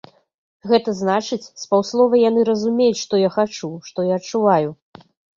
Гэта значыць, з паўслова яны разумеюць, што я хачу, што я адчуваю.